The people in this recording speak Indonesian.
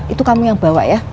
itu kami yang bawa ya